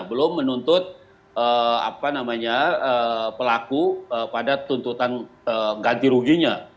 belum menuntut pelaku pada tuntutan ganti ruginya